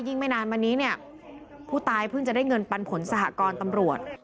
ไม่นานมานี้เนี่ยผู้ตายเพิ่งจะได้เงินปันผลสหกรตำรวจ